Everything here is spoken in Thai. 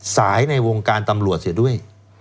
สายในวงการตำรวจด้วย